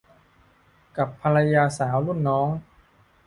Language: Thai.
กับภรรยาสาวรุ่นน้อง